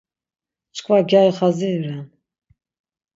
Çkva gyari xaziri ren.